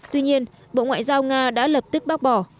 tuy nhiên bộ ngoại giao nga đã lập tức bác bỏ